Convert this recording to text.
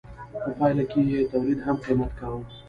په پایله کې یې تولید هم قیمت کاوه.